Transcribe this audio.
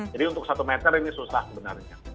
jadi untuk satu meter ini susah sebenarnya